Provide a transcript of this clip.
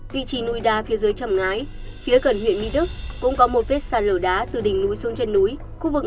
vị trí núi đá phía dưới trầm ngái phía gần huyện my đức